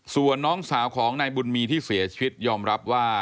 ส่วนน้องสาวของนายบุญมีที่เสียชีวิตยอมรับว่า